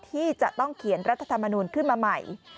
ที่จะต้องเขียนรัฐธรรมนูลขึ้นมาใหม่